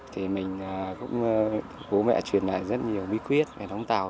thì mình cũng bố mẹ truyền lại rất nhiều bí quyết về đóng tàu